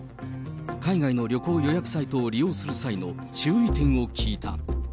海外の旅行予約サイトを利用する際の注意点を聞いた。